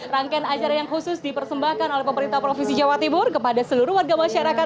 rangkaian acara yang khusus dipersembahkan oleh pemerintah provinsi jawa timur kepada seluruh warga masyarakat